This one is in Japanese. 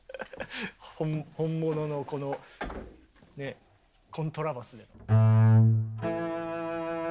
本物のこのねコントラバスで。